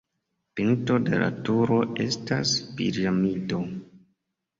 Pinto de la turo estas piramido.